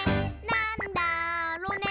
なんだろね。